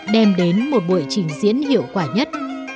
đem đến một buổi trình diễn hiệu quả nhất